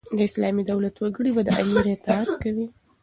د اسلامي دولت وګړي به د امیر اطاعت کوي.